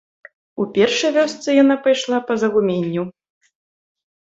У першай вёсцы яна пайшла па загуменню.